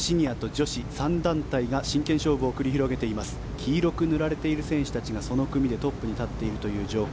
黄色く塗られている選手たちがその組でトップに立っているという状況。